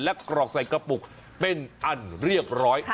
และกรอกใส่กระปุกเป็นอันเรียบร้อย